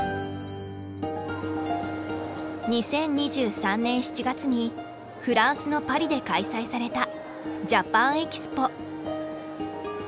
２０２３年７月にフランスのパリで開催されたジャパンエキスポ。